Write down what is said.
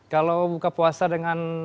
kalau buka puasa dengan